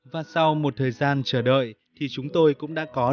và sau một thời gian chờ đợi thì chúng tôi cũng đã có